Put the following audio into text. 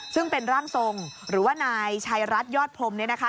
ซึ่งเป็นร่างทรงหรือว่านายชัยรัฐยอดพรมเนี่ยนะคะ